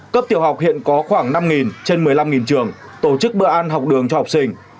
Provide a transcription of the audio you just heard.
cấp tiểu học hiện có khoảng năm trên một mươi năm trường tổ chức bữa ăn học đường cho học sinh